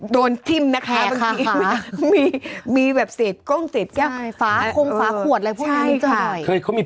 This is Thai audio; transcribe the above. โดนที่มนะครับมีแบบเศษกล้องเศษแก๊บคงฝาขวดอะไรพวกนั้นก็ได้